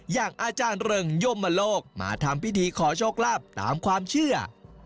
อย่างอาจารย์เริงยมโลกมาทำพิธีขอโชคลาภตามความเชื่อ